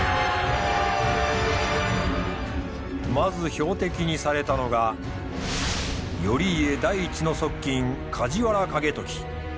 まず標的にされたのが頼家第一の側近梶原景時。